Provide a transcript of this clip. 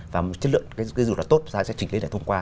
và một chất lượng dù là tốt sẽ trình lên để thông qua